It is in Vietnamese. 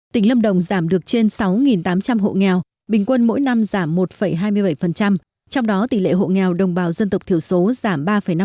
tỉnh lâm đồng giảm được trên sáu tám trăm linh hộ nghèo bình quân mỗi năm giảm một hai mươi bảy trong đó tỷ lệ hộ nghèo đồng bào dân tộc thiểu số giảm ba năm